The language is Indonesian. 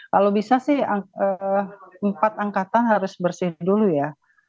kalau bisa sih empat angkatan harus bersih dulu ya